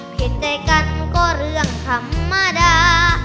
เห็นใจกันก็เรื่องธรรมดา